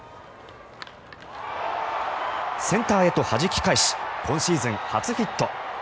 センターへとはじき返し今シーズン初ヒット。